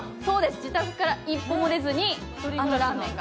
自宅から一歩も出ずに、あのラーメンが。